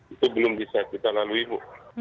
itu belum bisa kita lalui bu